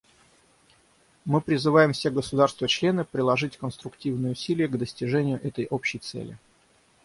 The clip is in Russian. Мы призываем все государства-члены приложить конструктивные усилия к достижению этой общей цели.